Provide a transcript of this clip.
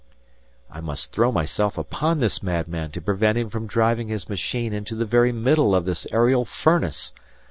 I must throw myself upon this madman to prevent him from driving his machine into the very middle of this aerial furnace!